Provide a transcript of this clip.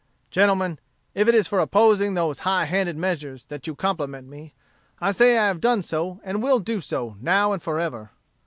"Gentlemen, if it is for opposing those high handed measures that you compliment me, I say I have done so, and will do so, now and forever.